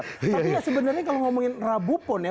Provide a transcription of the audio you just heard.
tapi sebenarnya kalau ngomongin rabu pon ya